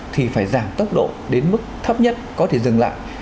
thì phải giảm tốc độ đến mức thấp nhất có thể dừng lại